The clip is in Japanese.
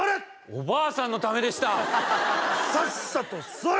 おばあさんのためでしたさっさと座れ！